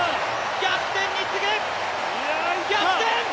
逆転に次ぐ逆転！